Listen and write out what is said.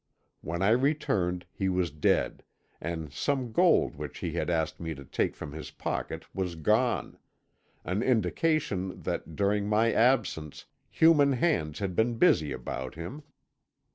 When I returned he was dead, and some gold which he had asked me to take from his pocket was gone; an indication that, during my absence, human hands had been busy about him.